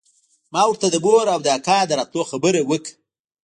ما ورته د مور او د اکا د راتلو خبره وکړه.